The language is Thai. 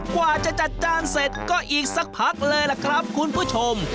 กว่าจะจัดจานเสร็จก็อีกสักพักเลยล่ะครับคุณผู้ชม